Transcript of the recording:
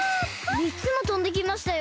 みっつもとんできましたよ！